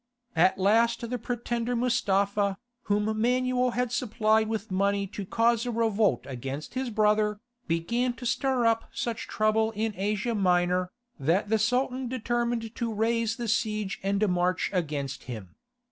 At last the pretender Mustapha, whom Manuel had supplied with money to cause a revolt against his brother, began to stir up such trouble in Asia Minor, that the Sultan determined to raise the siege and march against him.